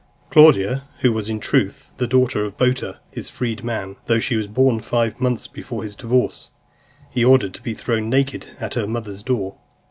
Claudia, who was, in truth, the daughter of Boter his freedman, though she was born five months before his divorce, he ordered to be thrown naked at her mother's door.